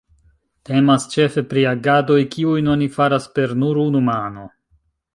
Temas ĉefe pri agadoj, kiujn oni faras per nur unu mano.